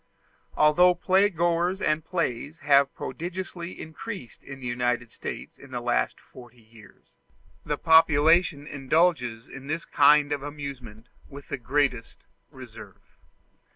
Although playgoers and plays have prodigiously increased in the United States in the last forty years, the population indulges in this kind of amusement with the greatest reserve.